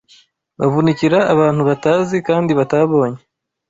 bavunikira abantu batazi kandi batabonye!